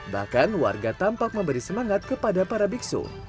bahkan warga tampak memberi semangat kepada para biksu